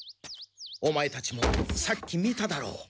オマエたちもさっき見ただろう。